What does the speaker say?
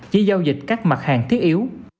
chỉ giao dịch các mặt hàng thiết yếu